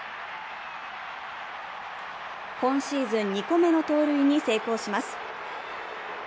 今シーズン２個目の盗塁に成功します。